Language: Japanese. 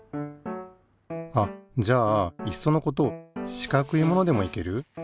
あっじゃあいっそのこと四角いものでもいける？